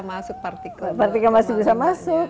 masuk partikel partikel masih bisa masuk